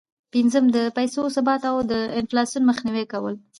پنځم: د پیسو ثبات او د انفلاسون مخنیوی کول.